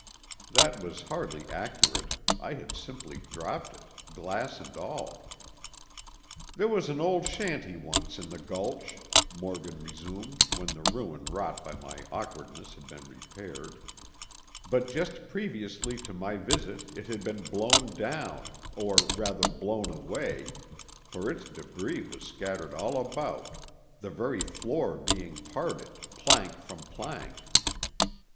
That was hardly accurate—I had simply dropped it, glass and all. "There was an old shanty once in the gulch," Morgan resumed when the ruin wrought by my awkwardness had been repaired, "but just previously to my visit it had been blown down, or rather blown away, for its débris was scattered all about, the very floor being parted, plank from plank.